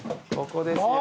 ここですよ